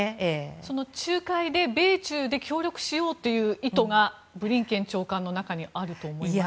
その仲介で米中で協力しようという意図がブリンケン長官の中にあると思いますか？